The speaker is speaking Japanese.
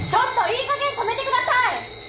いい加減止めてください！